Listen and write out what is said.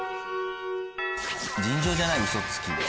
尋常じゃないウソつきで。